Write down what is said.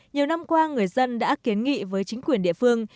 nhiều năm qua người dân đã kiến nghị với chính quyền địa phương